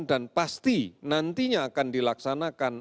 dan pasti nantinya akan dilaksanakan